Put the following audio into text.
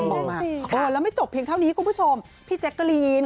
บอกมาแล้วไม่จบเพียงเท่านี้คุณผู้ชมพี่แจ๊กกะลีน